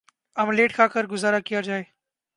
millet کھا کر گزارہ کیا جائے